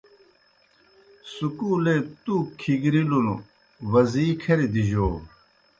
سکُولے تُوک کِھگرِلُن وزی کھریْ دِجَو۔